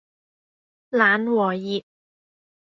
冷和熱